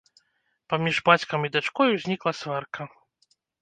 Паміж бацькам і дачкой узнікла сварка.